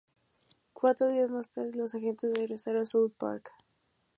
Cuatro días más tarde, los agentes de regresar a South Park.